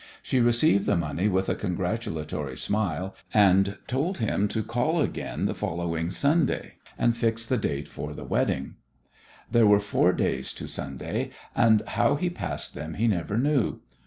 She received the money with a congratulatory smile, and told him to call again the following Sunday and fix the date for the wedding. There were four days to Sunday, and how he passed them he never knew.